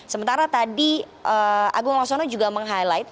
sementara tadi agung laksono juga meng highlight